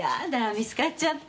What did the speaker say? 見つかっちゃった？